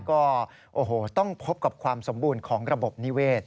ก็โอ้โหต้องพบกับความสมบูรณ์ของระบบนิเวศ